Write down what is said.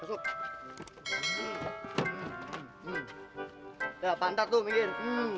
udah pantat tuh mir